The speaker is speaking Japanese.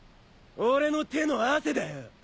俺の手の汗だよ。